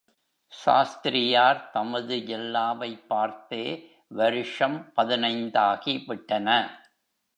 சாஸ்திரியார் தமது ஜில்லாவைப் பார்த்தே வருஷம் பதினைந்தாகி விட்டன.